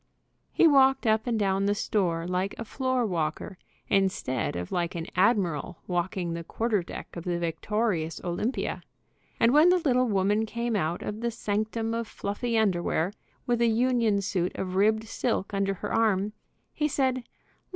He walked up and down the store like a floor walker, instead of like an admiral walking the quarter deck of "Let me carry it, dear." the victorious Olympia, and when the little woman came out of the sanctum of fluffy underwear with a union suit of ribbed silk under her arm, he said, "Let 20 "ADMIRAL, is MY HAT ON STRAIGHT?"